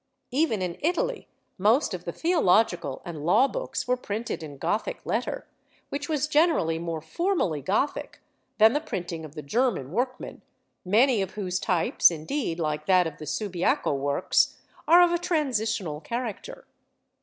Even in Italy most of the theological and law books were printed in Gothic letter, which was generally more formally Gothic than the printing of the German workmen, many of whose types, indeed, like that of the Subiaco works, are of a transitional character.